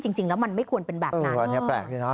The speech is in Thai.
จริงแล้วมันไม่ควรเป็นแบบนั้น